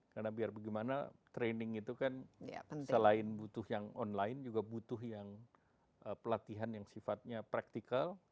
karena biar bagaimana training itu kan selain butuh yang online juga butuh yang pelatihan yang sifatnya praktikal